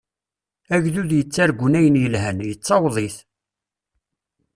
Agdud yettargun ayen yelhan, yettaweḍ-it.